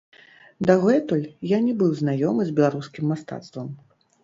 Дагэтуль я не быў знаёмы з беларускім мастацтвам.